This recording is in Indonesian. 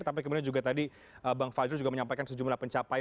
tapi kemudian juga tadi bang fajrul juga menyampaikan sejumlah pencapaian